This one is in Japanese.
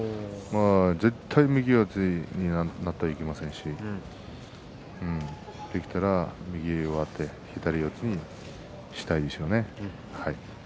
絶対右四つになっていけませんしできたら右上手左四つにしたいでしょうね。